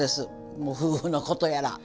もう夫婦のことやら。